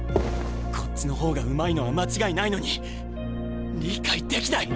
こっちの方がうまいのは間違いないのに理解できない！